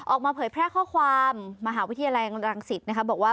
เผยแพร่ข้อความมหาวิทยาลัยรังสิตนะคะบอกว่า